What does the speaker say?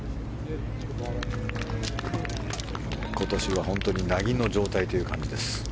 今年はなぎの状態という感じです。